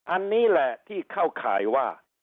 อันนี้แหละที่เข้าข่ายว่า